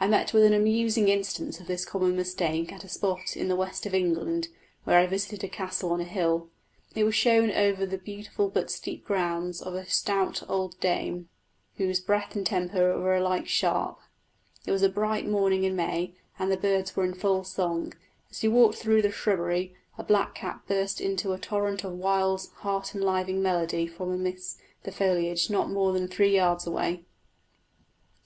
I met with an amusing instance of this common mistake at a spot in the west of England, where I visited a castle on a hill, and was shown over the beautiful but steep grounds by a stout old dame, whose breath and temper were alike short. It was a bright morning in May, and the birds were in full song. As we walked through the shrubbery a blackcap burst into a torrent of wild heart enlivening melody from amidst the foliage not more than three yards away.